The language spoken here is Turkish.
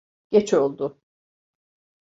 Geç oldu.